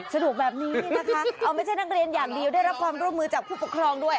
สะดวกแบบนี้นะคะเอาไม่ใช่นักเรียนอย่างเดียวได้รับความร่วมมือจากผู้ปกครองด้วย